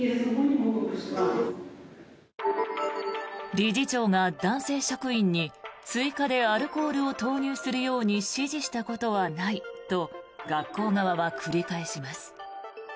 理事長が男性職員に追加でアルコールを投入するように指示したことはないと学校側は繰り返します。